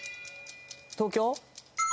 東京。